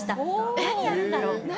何役なんだろう。